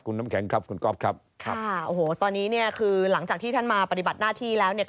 คุณน้ำแข็งครับคุณก๊อฟครับครับค่ะโอ้โหตอนนี้เนี่ยคือหลังจากที่ท่านมาปฏิบัติหน้าที่แล้วเนี่ย